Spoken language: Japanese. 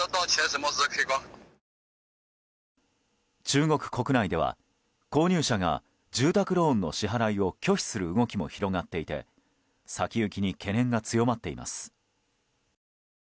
中国国内では購入者が住宅ローンの支払いを拒否する動きも広がっていて先行きに懸念が強まっています。